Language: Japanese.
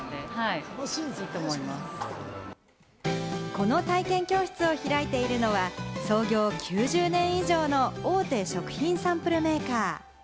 この体験教室を開いているのは、創業９０年以上の大手食品サンプルメーカー。